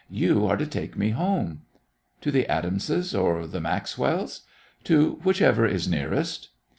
You are to take me home." "To the Adamses or the Maxwells?" "To whichever is nearest."